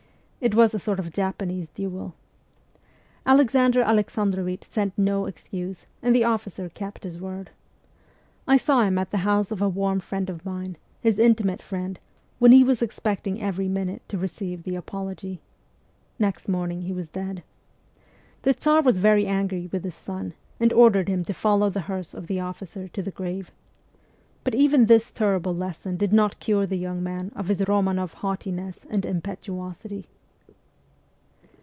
It was a sort of Japanese duel. Alexander Alexandrovich sent no excuses, and the officer kept his word. I saw him at the house of a warm friend of mine, his intimate friend, when he was expecting every minute to receive the apology. Next morning he was dead. The Tsar was very angry with his son, and ordered him to follow the hearse of the officer to the grave. But even this terrible lesson did not cure the young man of his Romanoff haughtiness and impetuosity.